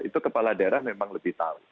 itu kepala daerah memang lebih tahu